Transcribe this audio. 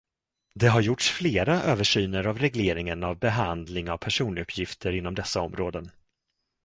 Det har gjorts flera översyner av regleringen av behandling av personuppgifter inom dessa områden.